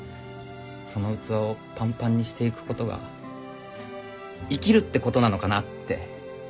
その器をパンパンにしていくことが生きるってことなのかなって。